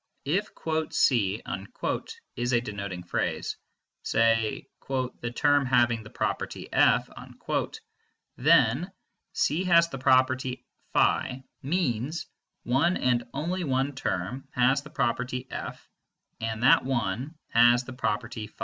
If "C" is a denoting phrase, say "the term having the property F," then "C has the property φ" means "one and only one term has the property F, and that one has the property φ."